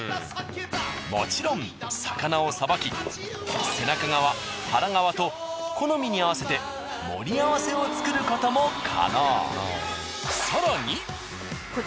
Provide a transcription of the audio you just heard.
もちろん魚をさばき背中側腹側と好みに合わせて盛り合わせを作ることも可能。